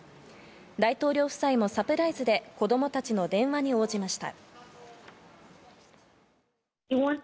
大統領夫妻もサプライズで子供たちの電話に応じました。